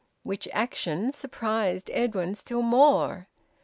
Which action surprised Edwin still more.